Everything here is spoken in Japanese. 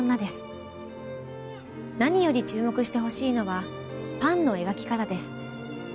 何より注目してほしいのはパンの描き方です。